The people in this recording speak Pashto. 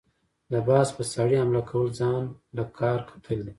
د باز په څاړي حمله كول ځان له کار کتل دي۔